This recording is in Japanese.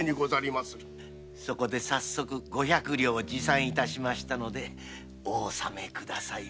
そこで早速五百両持参致しましたのでお納め下さい。